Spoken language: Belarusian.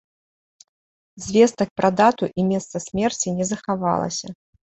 Звестак пра дату і месца смерці не захавалася.